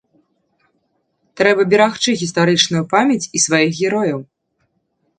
Трэба берагчы гістарычную памяць і сваіх герояў.